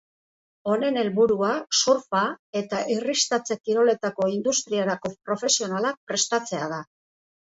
Honen helburua, surfa eta irristatze kiroletako industriarako profesionalak prestatzea da.